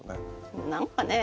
何かね。